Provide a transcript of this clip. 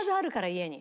家に。